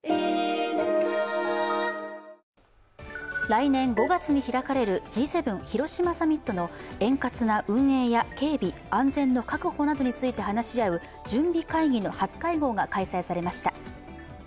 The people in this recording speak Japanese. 来年５月に開かれるＧ７広島サミットの円滑な運営や警備・安全の確保などについて話し合う準備会議の初会合が開催されました。